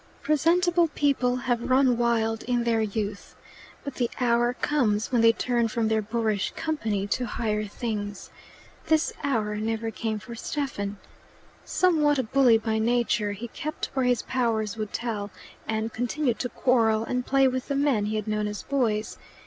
Presentable people have run wild in their youth. But the hour comes when they turn from their boorish company to higher things. This hour never came for Stephen. Somewhat a bully by nature, he kept where his powers would tell, and continued to quarrel and play with the men he had known as boys.